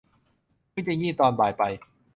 เพิ่งจะงีบตอนบ่ายไป